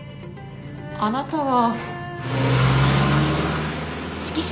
あなたは。